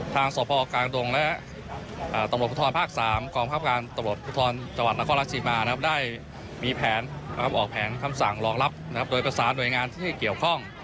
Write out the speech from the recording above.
ทางสภพกลางดงและตำรวจประทานภาค๓กรองคับการตำรวจประทานจังหวัดนครรัฐศีมาได้มีแผนออกแผนคำสั่งรองรับโดยภาษาโดยงานที่เกี่ยวข้อง